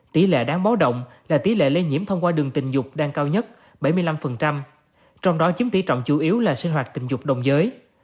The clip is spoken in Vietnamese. tỷ lệ đáng báo động là tỷ lệ lây nhiễm thông qua đường tình dục đang cao nhất bảy mươi năm trong đó chiếm tỷ trọng chủ yếu là sinh hoạt tình dục đồng giới